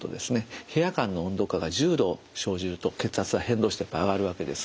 部屋間の温度差が１０度生じると血圧は変動して上がるわけです。